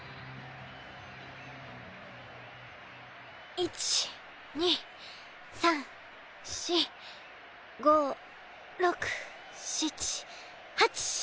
１２３４５６７８。